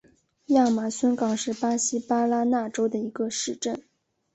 亚马孙港是巴西巴拉那州的一个市镇。